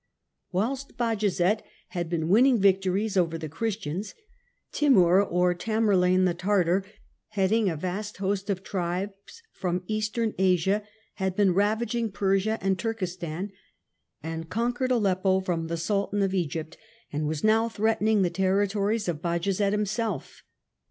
Whilst Bajazet had been winning victories over the Timour the Christians, Timour, or Tamerlane the Tartar, heading a vast host of tribes from Eastern Asia, had been ravag ing Persia and Turkestan, had conquered Aleppo from the Sultan of Egypt and was now threatening the territories of Bajazet himself.